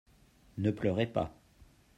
ne pleurez pas.